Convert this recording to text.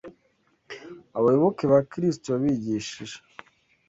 Abayoboke ba Kristo yabigishije